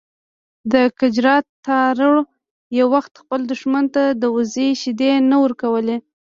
د ګجرات تارړ یو وخت خپل دښمن ته د وزې شیدې نه ورکولې.